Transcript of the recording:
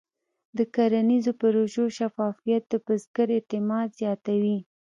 د کرنیزو پروژو شفافیت د بزګر اعتماد زیاتوي.